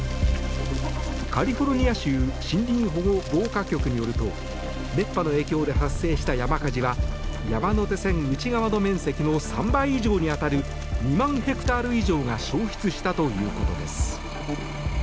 カリフォルニア州森林保護防火局によると熱波の影響で発生した山火事は山手線内側の面積の３倍以上に当たる２万ヘクタール以上が焼失したということです。